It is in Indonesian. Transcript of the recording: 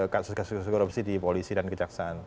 kasus kasus korupsi di polisi dan kejaksaan